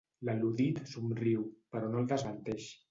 L'al·ludit somriu, però no el desmenteix.